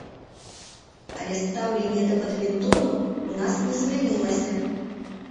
Але стаўленне да бадмінтону ў нас не змянілася.